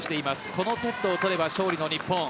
このセットを取れば勝利の日本。